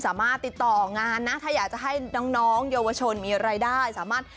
สามารถติดต่องานนะถ้าอยากจะให้น้องเยาวชนมีรายได้สามารถ